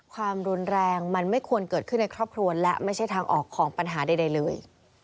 ความรุนแรงมันไม่ควรเกิดขึ้นในครอบครัวและไม่ใช่ทางออกของปัญหาใดเลย